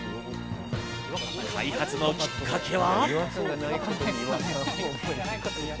開発のきっかけは。